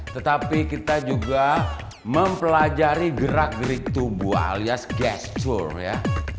tetapi kita juga mempelajari gerak gerik tubuh alias gesture